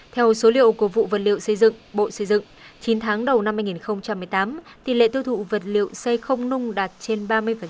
theo số liệu của vụ vật liệu xây dựng bộ xây dựng chín tháng đầu năm hai nghìn một mươi tám tỷ lệ tiêu thụ vật liệu xây không nung đạt trên ba mươi